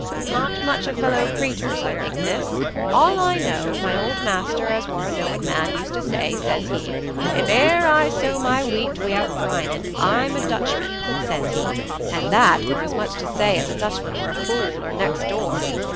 "Not much o' fellow creaturs, I think, Miss; all I know—my old master, as war a knowin' man, used to say, says he, 'If e'er I sow my wheat wi'out brinin', I'm a Dutchman,' says he; an' that war as much as to say as a Dutchman war a fool, or next door.